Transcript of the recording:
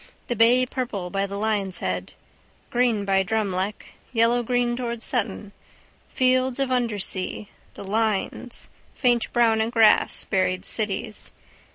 The bay purple by the Lion's head. Green by Drumleck. Yellowgreen towards Sutton. Fields of undersea, the lines faint brown in grass, buried cities.